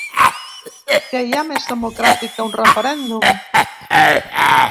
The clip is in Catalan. Què hi ha més democràtic que un referèndum?